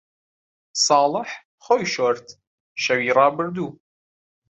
ساڵح خۆی شۆرد، شەوی ڕابردوو.